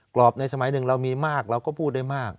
รอบในสมัยหนึ่งเรามีมากเราก็พูดได้มาก